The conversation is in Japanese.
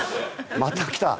また来た！